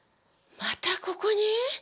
またここに！？